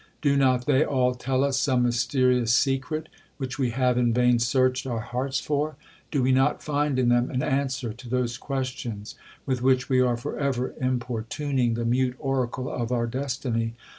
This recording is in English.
—Do not they all tell us some mysterious secret, which we have in vain searched our hearts for?—Do we not find in them, an answer to those questions with which we are for ever importuning the mute oracle of our destiny?